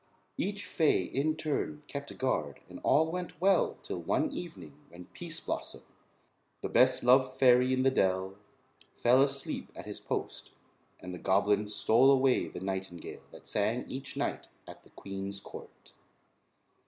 Each fay in turn kept guard and all went well till one evening when Pease Blossom, the best loved fairy in the dell, fell asleep at his post and the goblins stole away the nightingale that sang each night at the queen's court.